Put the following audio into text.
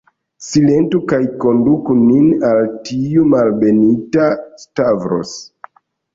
Silentu, kaj konduku nin al tiu malbenita Stavros.